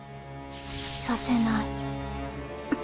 させない。